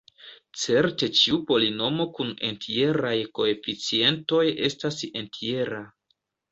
Certe ĉiu polinomo kun entjeraj koeficientoj estas entjera.